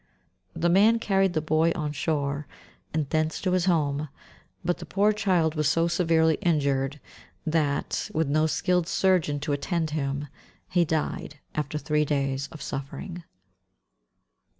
The man carried the boy on shore, and thence to his home; but the poor child was so severely injured that, with no skilled surgeon to attend him, he died after three days of suffering.